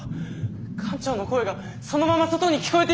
艦長の声がそのまま外に聞こえています。